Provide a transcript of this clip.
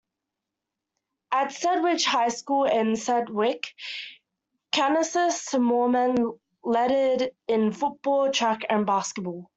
At Sedgwick High School in Sedgwick, Kansas, Moorman lettered in football, track, and basketball.